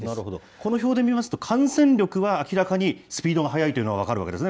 この表で見ますと、感染力は明らかにスピードが速いというのは、分かるわけですね。